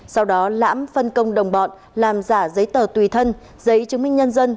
sau đó lãm phân công đồng bọn làm giả giấy tờ tùy thân giấy chứng minh nhân dân